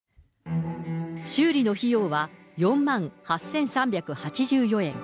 修理の費用は４万８３８４円。